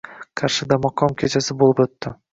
Qarshida maqom kechasi boʻlib oʻtdi